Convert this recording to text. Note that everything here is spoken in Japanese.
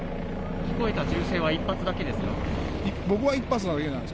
聞こえた銃声は１発だけです